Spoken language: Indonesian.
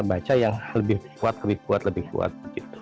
baca yang lebih kuat lebih kuat lebih kuat